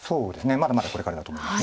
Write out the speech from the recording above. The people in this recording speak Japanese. まだまだこれからだと思います。